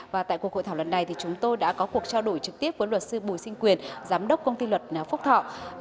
và tại cuộc hội thảo lần này thì chúng tôi đã có cuộc trao đổi trực tiếp với luật sư bùi sinh quyền giám đốc công ty luật phúc thọ